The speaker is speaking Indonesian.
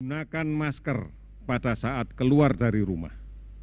gunakan masker pada saat keluar dari rumah